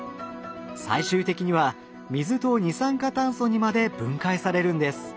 最終的には水と二酸化炭素にまで分解されるんです。